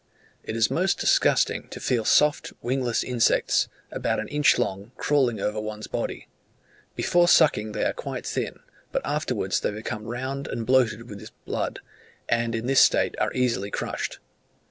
It is most disgusting to feel soft wingless insects, about an inch long, crawling over one's body. Before sucking they are quite thin, but afterwards they become round and bloated with blood, and in this state are easily crushed.